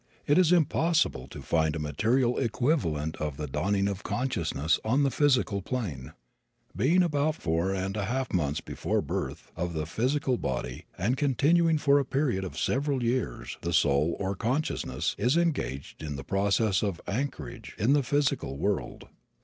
It is impossible to find a material equivalent of the dawning of consciousness on the physical plane. Beginning about four and a half months before the birth of the physical body and continuing for a period of several years the soul, or consciousness, is engaged in the process of anchorage in the physical world.